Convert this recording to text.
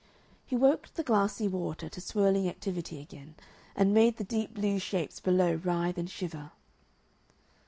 He woke the glassy water to swirling activity again, and made the deep blue shapes below writhe and shiver.